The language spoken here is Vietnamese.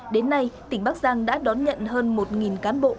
đến nay tỉnh bắc giang đã đón nhận hơn một cán bộ